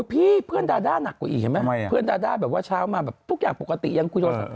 เพื่อนดาด้าหนักกว่าอีกเห็นไหมเพื่อนดาด้าแบบว่าเช้ามาแบบทุกอย่างปกติยังคุยโทรศัพท์